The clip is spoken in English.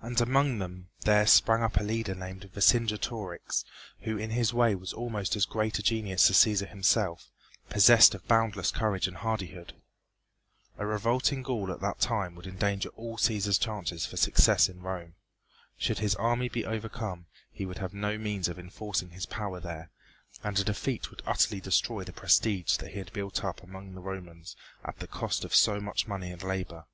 And among them there sprang up a leader named Vercingetorix, who in his way was almost as great a genius as Cæsar himself, possessed of boundless courage and hardihood. A revolt in Gaul at that time would endanger all Cæsar's chances for success in Rome. Should his army be overcome he would have no means of enforcing his power there, and a defeat would utterly destroy the prestige that he had built up among the Romans at the cost of so much money and labor.